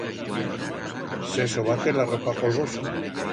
Se sobate la ropa polvosa.